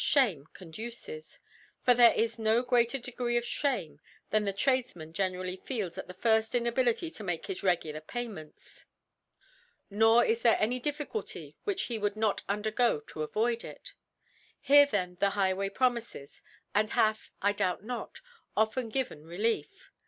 Shame conduces : For there is jio greater Degree of Shame than the Tradeunan jgenerally feels at the firft Inabi • lity to make his regular JPay men ts j nor is there any Difficulty which he would iK)t un dergo CO avoid it. Her^ then the High* way promifes^ and hath, I doubt not, often given Relief.